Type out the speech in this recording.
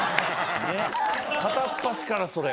片っ端からそれ。